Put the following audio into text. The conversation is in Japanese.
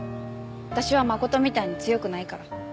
私は真琴みたいに強くないから。